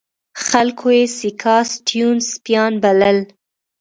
خلکو یې سیاکا سټیونز سپیان بلل.